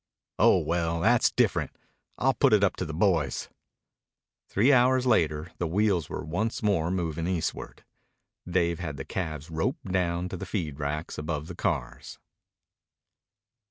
"Oh, well, that's different. I'll put it up to the boys." Three hours later the wheels were once more moving eastward. Dave had had the calves roped down to the feed racks above the cars.